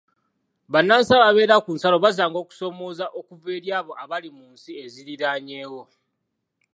Bannansi ababeera ku nsalo basanga okusoomooza okuva eri abo abali mu nsi eziriraanyewo.